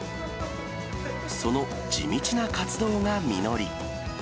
その地道な活動が実り。